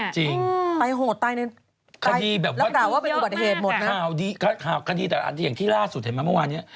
จริงใครโหดตายลักษณะว่าเป็นอุบัติเหตุหมดเนี่ยข่าวดีข่าวดีแต่อย่างที่ล่าสุดเห็นมาเมื่อวานเนี่ย